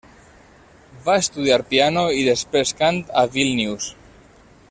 Va estudiar piano i després cant a Vílnius.